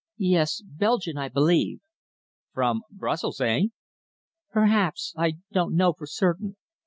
"Yes, Belgian, I believe." "From Brussels, eh?" "Perhaps. I don't know for certain."